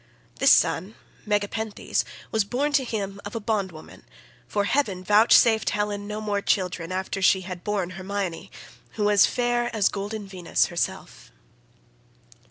This son, Megapenthes, was born to him of a bondwoman, for heaven vouchsafed Helen no more children after she had borne Hermione, who was fair as golden Venus herself.